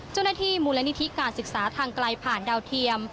เจ้าหน้าที่มูลนิธิการศึกษาทางไกลผ่านดาวเทียม